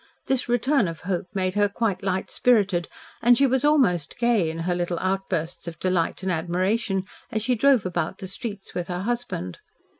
This return of hope made her quite light spirited, and she was almost gay in her little outbursts of delight and admiration as she drove about the streets with her husband.